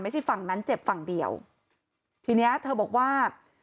ฝั่งนั้นเจ็บฝั่งเดียวทีเนี้ยเธอบอกว่า